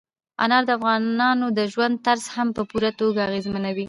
انار د افغانانو د ژوند طرز هم په پوره توګه اغېزمنوي.